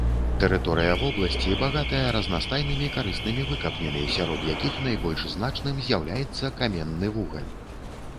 Тэрыторыя вобласці багатая разнастайнымі карыснымі выкапнямі, сярод якіх найбольш значным з'яўляецца каменны вугаль.